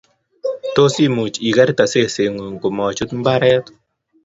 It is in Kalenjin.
tos imuch ikerte seset ng'ung ko ma chutu mbaret